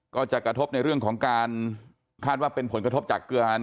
ก็จะกระทบในเรื่องของการคาดว่าเป็นผลกระทบจากเกลือน